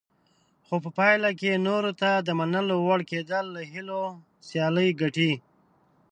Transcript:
خو په پایله کې نورو ته د منلو وړ کېدل له هیلو سیالي ګټي.